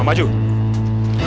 udah pak gausah pak